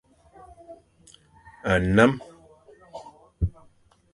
Nnem.